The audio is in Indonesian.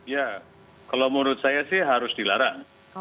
ya kalau menurut saya sih harus dilarang